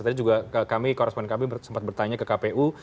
tadi juga kami korespon kami sempat bertanya ke kpu